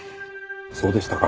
そうでしたか。